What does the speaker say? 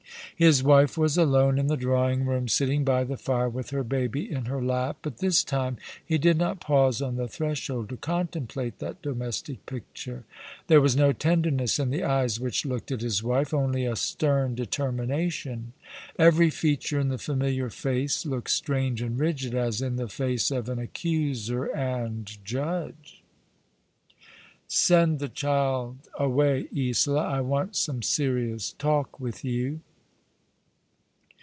His wife was alone in the drawing room, sitting by the fire with her baby in her lap ; but this time he did not pause on the threshold to contemplate that domestic picture. There waa no tenderness in the eyes which looked at his wife — only a Btern determination. Every feature in the familiar face Say the False Charge was True!' i8i looked strange and rigid, as in the face of an accuser and judge. "Send the child away, Isola. I want some serious talk with you."